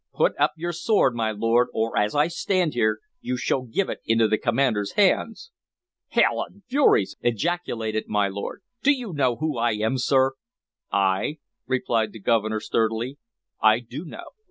"Put up your sword, my lord, or, as I stand here, you shall give it into the commander's hands!" "Hell and furies!" ejaculated my lord. "Do you know who I am, sir?" "Ay," replied the Governor sturdily, "I do know.